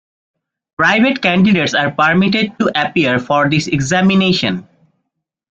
Private candidates are permitted to appear for this examination.